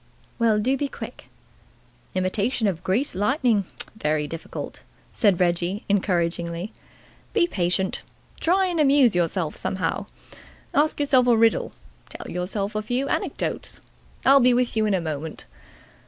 "Well, do be quick." "Imitation of greased lightning very difficult," said Reggie encouragingly. "Be patient. Try and amuse yourself somehow. Ask yourself a riddle. Tell yourself a few anecdotes. I'll be with you in a moment.